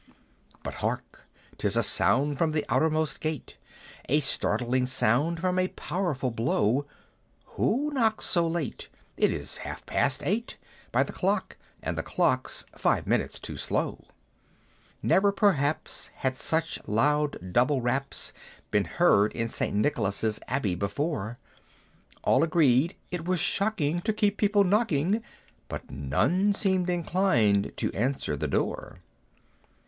But hark 'tis a sound from the outermost gate: A startling sound from a powerful blow. Who knocks so late? it is half after eight By the clock, and the clock's five minutes too slow. Never, perhaps, had such loud double raps Been heard in St. Nicholas's Abbey before; All agreed "it was shocking to keep people knocking," But none seemed inclined to "answer the door."